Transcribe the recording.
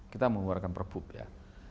kita mengeluarkan perbuk ya